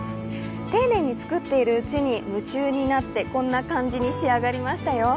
丁寧に作っているうちに夢中になって、こんな感じに仕上がりましたよ。